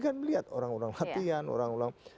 kan melihat orang orang latihan orang orang